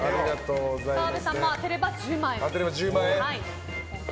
澤部さんも当てれば１０万円です。